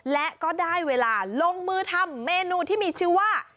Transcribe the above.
และก็ได้เวลาลงมือทำเมนูที่มีชื่อว่า